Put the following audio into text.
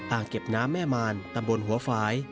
เก็บน้ำแม่มารตำบลหัวฝ่าย